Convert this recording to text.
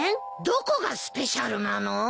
どこがスペシャルなの？